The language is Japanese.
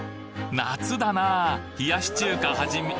夏だなぁ「冷やし中華はじめ」